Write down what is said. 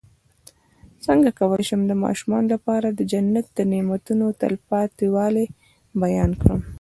څنګه کولی شم د ماشومانو لپاره د جنت د نعمتو تلپاتې والی بیان کړم